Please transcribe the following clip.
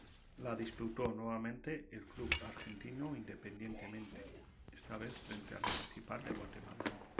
La disputó nuevamente el club argentino Independiente, esta vez frente a Municipal de Guatemala.